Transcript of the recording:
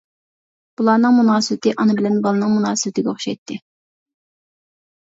بۇلارنىڭ مۇناسىۋىتى ئانا بىلەن بالىنىڭ مۇناسىۋىتىگە ئوخشايتتى.